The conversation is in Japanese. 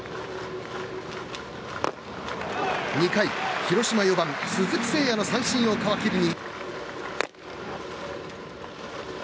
２回、広島４番鈴木誠也の三振を皮切りに。